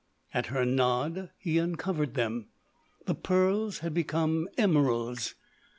At her nod he uncovered them. The pearls had become emeralds.